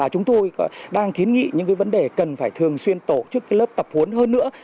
chúng tôi đang kiến nghị những vấn đề cần phải thường xuyên tổ chức lớp tập huấn hơn nữa